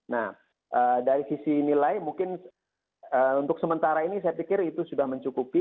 nah dari sisi nilai mungkin untuk sementara ini saya pikir itu sudah mencukupi